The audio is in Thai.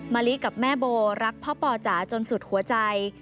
มะลิกับแม่โบรักพ่อปอจ๋าจนสุดหัวใจ